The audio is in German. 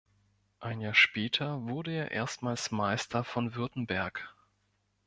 Ein Jahr später wurde er erstmals Meister von Württemberg.